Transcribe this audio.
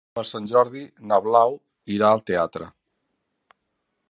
Per Sant Jordi na Blau irà al teatre.